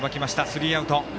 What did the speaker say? スリーアウト。